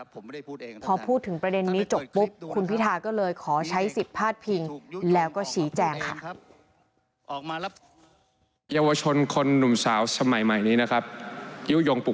พอพูดถึงประเด็นนี้จบปุ๊บ